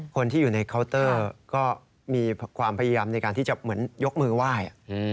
คนที่อยู่ในเคาน์เตอร์ก็มีความพยายามในการที่จะเหมือนยกมือไหว้